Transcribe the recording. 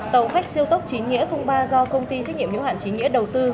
tàu khách siêu tốc chín nghĩa ba do công ty trách nhiệm nhu hạn chín nghĩa đầu tư